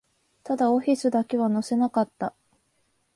ただ、オフィスだけは乗せなかった